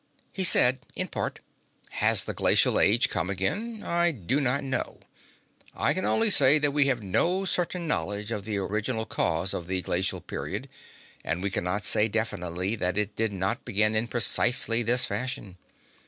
He said in part: Has the glacial age come again? I do not know. I can only say that we have no certain knowledge of the original cause of the glacial period and we cannot say definitely that it did not begin in precisely this fashion.